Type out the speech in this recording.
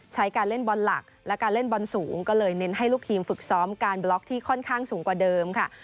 การเล่นบอลหลักและการเล่นบอลสูงก็เลยเน้นให้ลูกทีมฝึกซ้อมการบล็อกที่ค่อนข้างสูงกว่าเดิมค่ะ